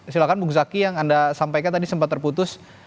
silahkan bung zaki yang anda sampaikan tadi sempat terputus